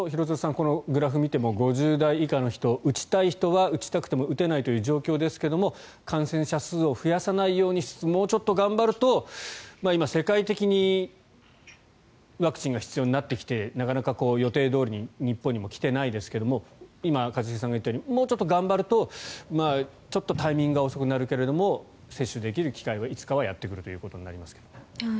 このグラフを見ても５０代以下の人、打ちたい人は打ちたくても打てないという状況ですけども感染者数を増やさないようにもうちょっと頑張ると今、世界的にワクチンが必要になってきてなかなか予定どおりに日本にも来ていないですが今、一茂さんが言ったようにもうちょっと頑張るとちょっとタイミングが遅くなるけど接種できる機会はいつかはやってくるということになりますけど。